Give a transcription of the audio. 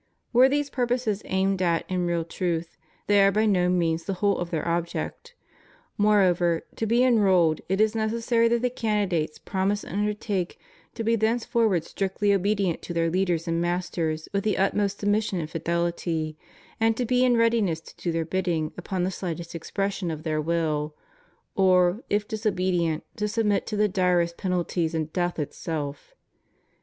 Were these pur poses aimed at in real truth, they are by no means the whole of their object. Moreover, to be enrolled, it is necessary that the candidates promise and under take to be thenceforward strictly obedient to their leaders and masters with the utmost submission and fidehty, and to be in readiness to do their bidding upon the slight est expression of their will; or, if disobedient, to submit to the direst penalties and death itself.